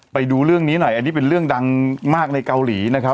ไปดูเรื่องนี้หน่อยอันนี้เป็นเรื่องดังมากในเกาหลีนะครับ